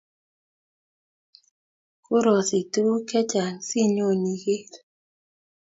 Korasich tukuk che chang si nyon iker